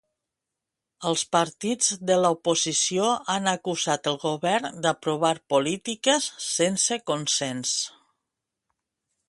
Els partits de l'oposició han acusat el govern d'aprovar polítiques sense consens.